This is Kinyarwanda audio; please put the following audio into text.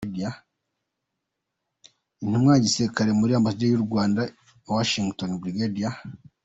Intumwa ya gisirikare muri Ambasade y’u Rwanda i Washington, Brig.